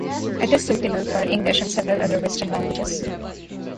It is suitable for English and several other Western languages.